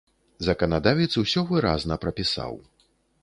Заканадавец усё выразна прапісаў.